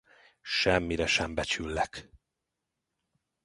Semmire sem becsüllek!